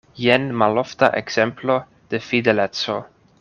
Jen malofta ekzemplo de fideleco.